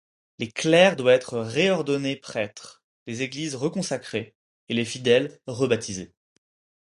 Les clercs doivent être ‘réordonnés’ prêtres, les églises reconsacrées et les fidèles rebaptisés.